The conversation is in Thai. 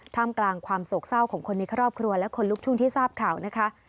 มกลางความโศกเศร้าของคนในครอบครัวและคนลุกทุ่งที่ทราบข่าวนะคะ